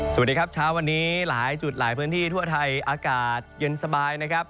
สวัสดีครับเช้าวันนี้หลายจุดหลายพื้นที่ทั่วไทยอากาศเย็นสบายนะครับ